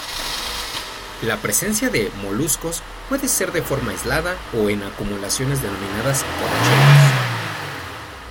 La presencia de moluscos puede ser de forma aislada o en acumulaciones denominadas concheros.